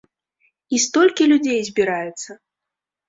І столькі людзей збіраецца!